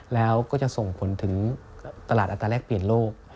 แล้วก็จะส่งผลถึงตลาดอัตราแรกเปลี่ยนโลก